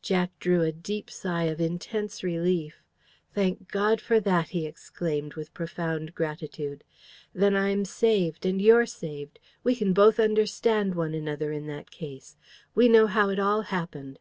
Jack drew a deep sigh of intense relief. "Thank God for that!" he exclaimed, with profound gratitude. "Then I'm saved, and you're saved. We can both understand one another in that case. We know how it all happened!"